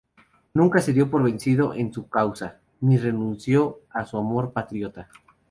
Nunca se dio por vencido en su causa, ni renunció a su amor patriota.